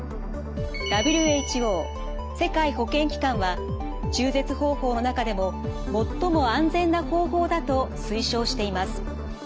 ＷＨＯ・世界保健機関は中絶方法の中でも最も安全な方法だと推奨しています。